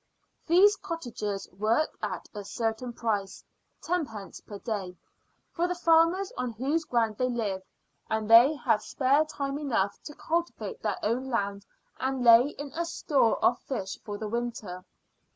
These cottagers work at a certain price (tenpence per day) for the farmers on whose ground they live, and they have spare time enough to cultivate their own land and lay in a store of fish for the winter.